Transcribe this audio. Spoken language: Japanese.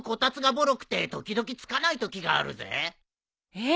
えっ？